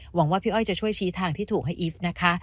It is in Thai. หวังว่าพี่อ้อยจะช่วยชี้ทางที่ถูกให้อีฟนะคะ